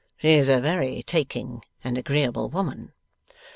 She's a very taking and agreeable woman?